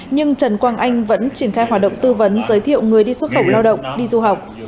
nhưng trần quang anh vẫn triển khai hoạt động tư vấn giới thiệu người đi xuất khẩu lao động đi du học